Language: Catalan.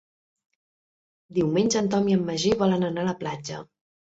Diumenge en Tom i en Magí volen anar a la platja.